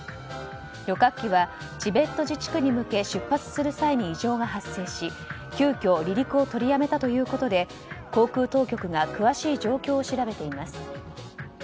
旅客機はチベット自治区に向け出発する際に異常が発生し、急きょ離陸を取りやめたということで航空当局が詳しい状況を調べています。